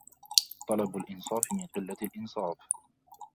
طَلَبُ الْإِنْصَافِ مِنْ قِلَّةِ الْإِنْصَافِ